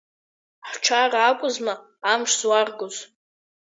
Ҳчара акәызма амш зларгоз!